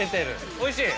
おいしい？